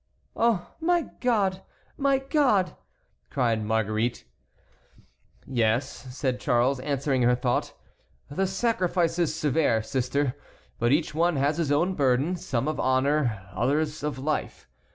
"Oh, my God! my God!" cried Marguerite. "Yes," said Charles, answering her thought; "the sacrifice is severe, sister, but each one has his own burden, some of honor, others of life.